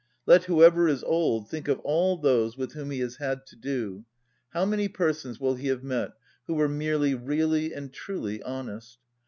Let whoever is old think of all those with whom he has had to do; how many persons will he have met who were merely really and truly honest?